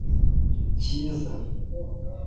cyiza